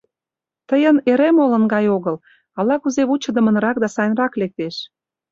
— Тыйын эре молын гай огыл, ала-кузе вучыдымынрак да сайынрак лектеш.